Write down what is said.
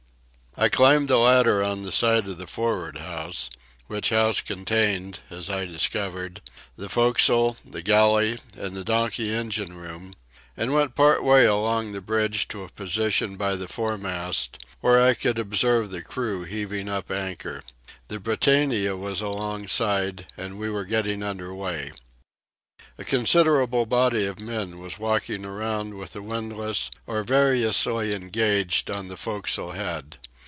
I climbed the ladder on the side of the for'ard house (which house contained, as I discovered, the forecastle, the galley, and the donkey engine room), and went part way along the bridge to a position by the foremast, where I could observe the crew heaving up anchor. The Britannia was alongside, and we were getting under way. A considerable body of men was walking around with the windlass or variously engaged on the forecastle head.